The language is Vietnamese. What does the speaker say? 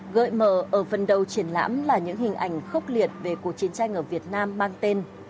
gợi mở ở phần đầu triển lãm là những hình ảnh khốc liệt về cuộc chiến tranh ở việt nam mang tên